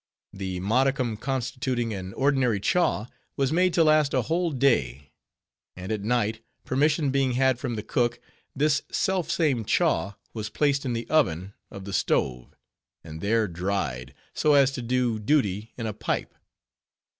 The modicum constituting an ordinary "chaw," was made to last a whole day; and at night, permission being had from the cook, this self same "chaw" was placed in the oven of the stove, and there dried; so as to do duty in a pipe.